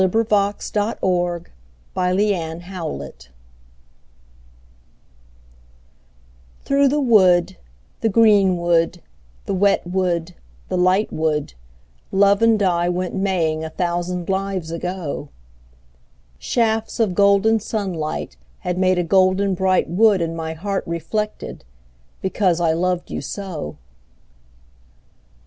ROSEMARY 51 THROUGH THE WOOD THKOUGH the wood, the green wood, the wet wood, the light wood, Love and I went maying a thousand lives ago ; Shafts of golden sunlight had made a golden bright wood In my heart reflected, because I loved you so.